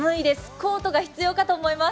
コートが必要かと思います。